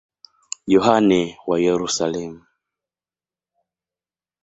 Yohane wa Yerusalemu.